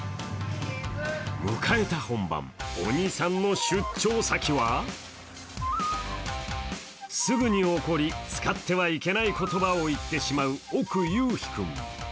迎えた本番、鬼さんの出張先は、すぐに怒り、使ってはいけない言葉を言ってしまう奥ゆうひ君。